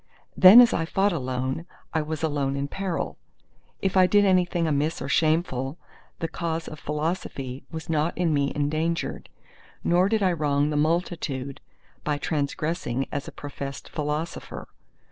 Then as I fought alone, I was alone in peril. If I did anything amiss or shameful, the cause of Philosophy was not in me endangered; nor did I wrong the multitude by transgressing as a professed philosopher.